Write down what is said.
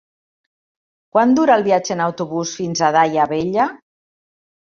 Quant dura el viatge en autobús fins a Daia Vella?